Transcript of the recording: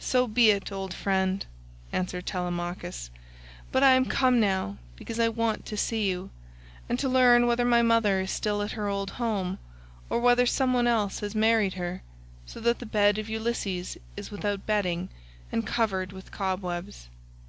"So be it, old friend," answered Telemachus, "but I am come now because I want to see you, and to learn whether my mother is still at her old home or whether some one else has married her, so that the bed of Ulysses is without bedding and covered with cobwebs."